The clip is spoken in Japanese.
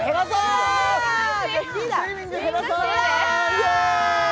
イエーイ！